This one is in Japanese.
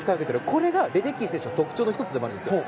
これがレデッキー選手の特徴の１つでもあるんですよ。